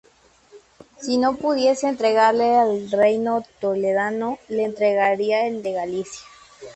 Si no pudiese entregarle el reino toledano, le entregaría el de Galicia.